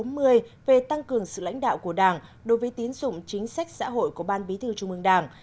sau ba năm thực hiện chỉ thị số bốn mươi về tăng cường sự lãnh đạo của đảng đối với tín dụng chính sách xã hội của ban bí thư trung ương đảng